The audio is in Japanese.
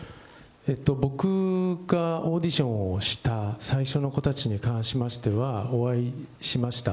僕がオーディションをした最初の子たちに関しましては、お会いしました。